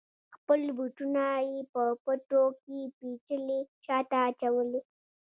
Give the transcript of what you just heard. خپل بوټونه یې په پټو کې پیچلي شاته اچولي وه.